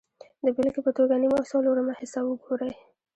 د بېلګې په توګه نیم او څلورمه حصه وګورئ